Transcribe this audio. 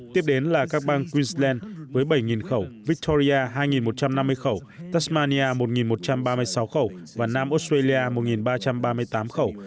tiếp đến là các bang queensland với bảy khẩu victoria hai một trăm năm mươi khẩu tasmania một một trăm ba mươi sáu khẩu và nam australia một ba trăm ba mươi tám khẩu